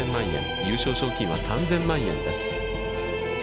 優勝賞金は３０００万円です。